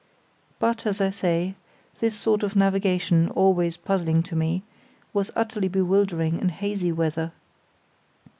But, as I say, this sort of navigation, always puzzling to me, was utterly bewildering in hazy weather.